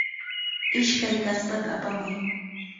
Ishkay kaspata apamuy.